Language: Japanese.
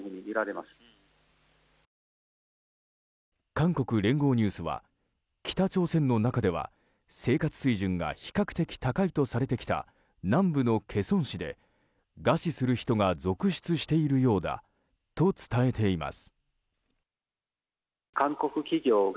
韓国、聯合ニュースは北朝鮮の中では生活水準が比較的高いとされてきた南部のケソン市で餓死する人が続出しているようだと伝えています。